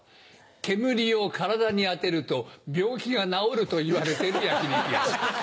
煙を体に当てると病気が治るといわれてる焼き肉屋さん。